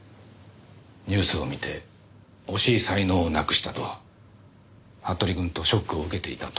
ニュースを見て惜しい才能をなくしたと服部くんとショックを受けていたところです。